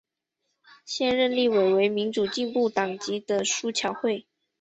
现任立委为民主进步党籍的苏巧慧。